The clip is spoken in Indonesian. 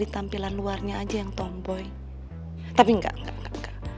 tapi enggak enggak enggak